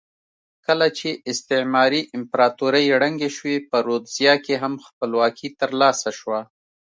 کله چې استعماري امپراتورۍ ړنګې شوې په رودزیا کې هم خپلواکي ترلاسه شوه.